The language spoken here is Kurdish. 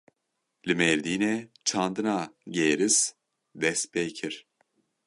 Li Mêrdînê çandina gêris dest pê kir.